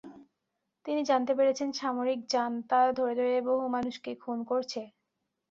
তিনি জানতে পেরেছেন সামরিক জান্তা ধরে ধরে বহু মানুষকে খুন করছে।